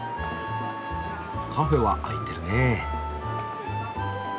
カフェは開いてるね。